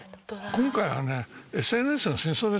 今回はねＳＮＳの戦争ですよ。